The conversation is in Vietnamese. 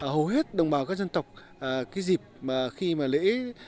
hầu hết đồng bào các dân tộc cái dịp mà khi mà lễ